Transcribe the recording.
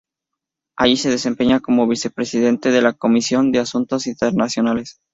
Allí se desempeña como vicepresidente de la comisión de asuntos internacionales.